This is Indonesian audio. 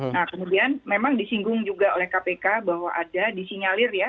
nah kemudian memang disinggung juga oleh kpk bahwa ada disinyalir ya